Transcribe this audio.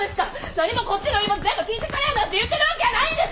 なにもこっちの言い分全部聞いてくれなんて言ってるわけやないんです！